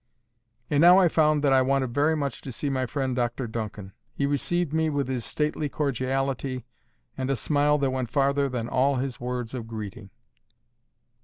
And now I found that I wanted very much to see my friend Dr Duncan. He received me with his stately cordiality, and a smile that went farther than all his words of greeting.